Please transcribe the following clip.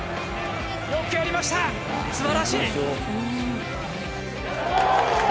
よくやりました、素晴らしい！